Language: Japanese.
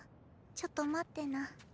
ちょっと待ってな。